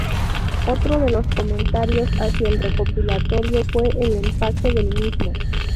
Otro de los comentarios hacia el recopilatorio fue el empaque del mismo.